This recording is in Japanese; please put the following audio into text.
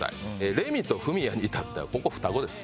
レミと文矢に至ってはここ双子です。